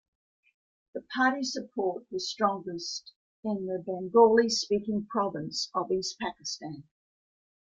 The party's support was strongest in the Bengali speaking province of East Pakistan.